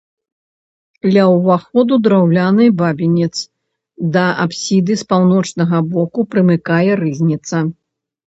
Ля ўваходу драўляны бабінец, да апсіды з паўночнага боку прымыкае рызніца.